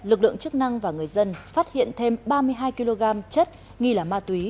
lực lượng chức năng và người dân phát hiện thêm ba mươi hai kg chất nghi là ma túy